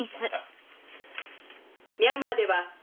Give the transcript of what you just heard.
ミャンマーでは。